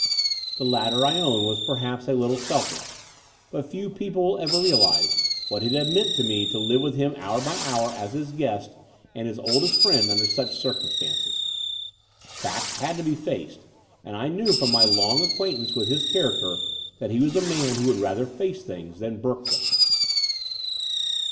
The latter, I own, was perhaps a little selfish, but few people will ever realize what it had meant to me to live with him hour by hour as his guest and his oldest friend under such cir cumstances. Facts had to be faced; and I knew from my long acquaintance with his character that he was a man who would rather face things than burke them.